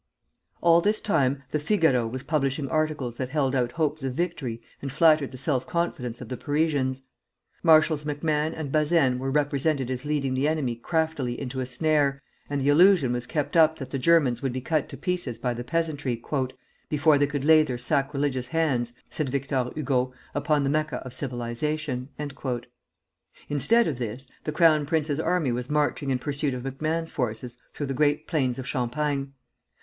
] All this time the "Figaro" was publishing articles that held out hopes of victory and flattered the self confidence of the Parisians. Marshals MacMahon and Bazaine were represented as leading the enemy craftily into a snare, and the illusion was kept up that the Germans would be cut to pieces by the peasantry "before they could lay their sacrilegious hands," said Victor Hugo, "upon the Mecca of civilization." Instead of this, the Crown Prince's army was marching in pursuit of MacMahon's forces through the great plains of Champagne.